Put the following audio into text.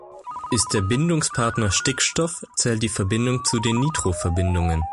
Ist der Bindungspartner Stickstoff, zählt die Verbindung zu den Nitro-Verbindungen.